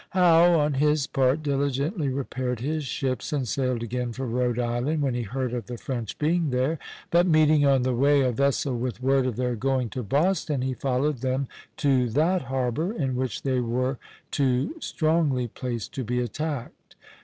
Howe on his part diligently repaired his ships, and sailed again for Rhode Island when he heard of the French being there; but meeting on the way a vessel with word of their going to Boston, he followed them to that harbor, in which they were too strongly placed to be attacked.